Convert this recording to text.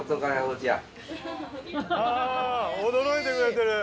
あぁ驚いてくれてる。